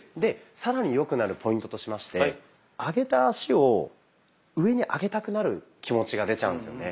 更によくなるポイントとしまして上げた足を上に上げたくなる気持ちが出ちゃうんですよね。